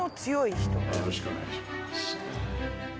よろしくお願いします。